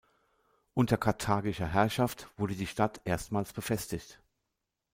Unter karthagischer Herrschaft wurde die Stadt erstmals befestigt.